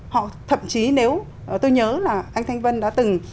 họ thậm chí nếu tôi nhớ là anh thanh vân đã từng